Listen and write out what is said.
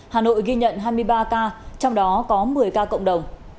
hà nội ghi nhận hai mươi ba ca trong đó có một mươi ca cộng đồng